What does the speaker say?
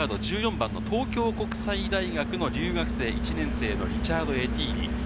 番の東京国際大学の留学生、１年生のリチャード・エティーリ。